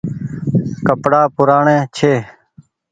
ڪپڙآ پوُرآڻي ڇي۔